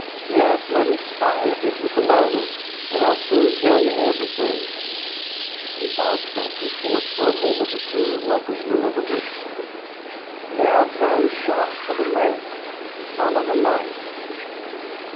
"Just let me spy a bit with the lantern, and I'll soon tell you everything." He bobbed back and forth for a moment or two like a will o' the wisp. "Now turn sharp to the left, and follow the light."